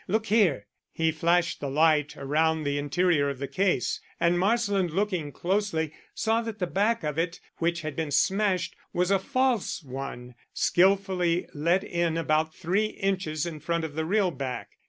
Look here!" He flashed the light around the interior of the case, and Marsland, looking closely, saw that the back of it, which had been smashed, was a false one, skilfully let in about three inches in front of the real back.